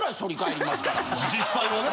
実際はね。